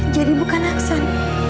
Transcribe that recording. jadi bukan aksan